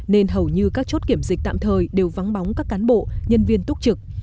nên hầu như các chốt kiểm dịch tạm thời đều vắng bóng các cán bộ nhân viên túc trực